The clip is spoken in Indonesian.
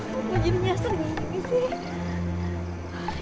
kok gini gini sering ini sih